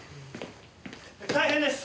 大変です！